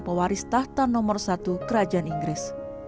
pewaris tahta nomor satu kerajaan inggris